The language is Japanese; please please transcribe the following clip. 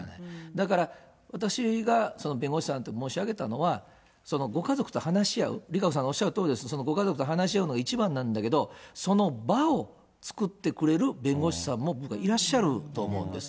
だから、私が弁護士さんと申し上げたのは、そのご家族と話し合う、ＲＩＫＡＣＯさんがおっしゃるとおりです、そのご家族と話し合うのが一番なんだけど、その場を作ってくれる弁護士さんも僕はいらっしゃると思うんです。